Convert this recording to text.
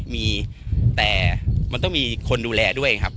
มีแต่มันต้องมีคนดูแลด้วยครับ